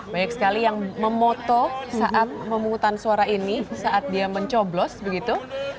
banyak sekali yang memoto saat memungutan suara ini saat dia mencoblos begitu